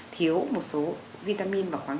thì hiện nay chúng ta đang có cái tình trạng